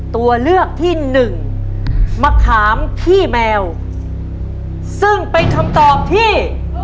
ตัวเลือกที่หนึ่งมะขามขี้แมวซึ่งเป็นคำตอบที่